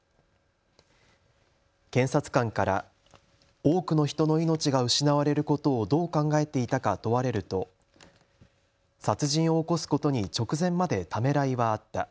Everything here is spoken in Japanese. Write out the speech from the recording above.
検察官から多くの人の命が失われることをどう考えていたか問われると殺人を起こすことに直前までためらいはあった。